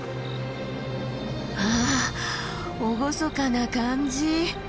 わあ厳かな感じ。